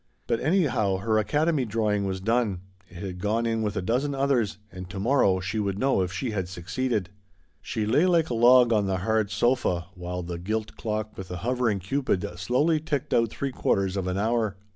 But anyhow her Academy drawing was done; it had gone in with a dozen others, and to morrow she would know if she had succeeded. She lay like a log on the hard sofa, while the gilt clock with the hovering Cupid slowly ticked out three quarters of an hour.